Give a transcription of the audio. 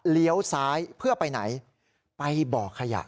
เลี้ยวซ้ายเพื่อไปไหนไปบ่อขยะ